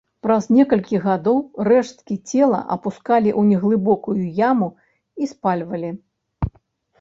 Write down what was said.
Праз некалькі гадоў рэшткі цела апускалі ў неглыбокую яму і спальвалі.